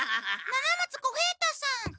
七松小平太さん！